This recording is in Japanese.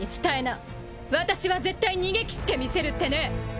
私は絶対逃げ切ってみせるってね！